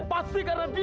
pasti karena dia